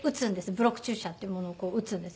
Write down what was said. ブロック注射っていうものを打つんです。